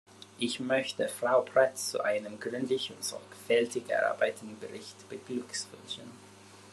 Ich möchte Frau Prets zu einem gründlich und sorgfältig erarbeiteten Bericht beglückwünschen.